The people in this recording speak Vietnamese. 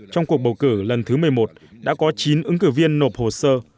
trong cuộc bầu cử lần thứ một mươi một đã có chín ứng cử viên nộp hồ sơ